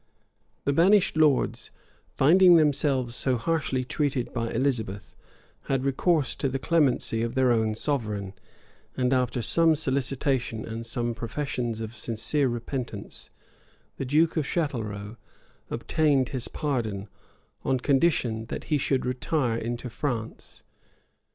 The banished lords, finding themselves so harshly treated by Elizabeth, had recourse to the clemency of their own sovereign; and after some solicitation and some professions of sincere repentance, the duke of Chatelrault obtained his pardon, on condition that he should retire into France.